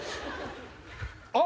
あ